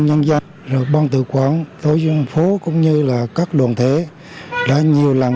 nhân dân và người ngoại quốc lại nhận ra một sự thích lợi